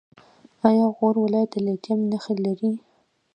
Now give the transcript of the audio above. آیا غور ولایت د لیتیم نښې لري؟